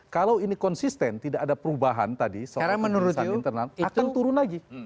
kalau ini konsisten tidak ada perubahan tadi soal penerus di internal akan turun lagi